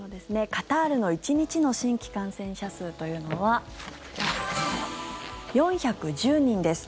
カタールの１日の新規感染者数というのは４１０人です。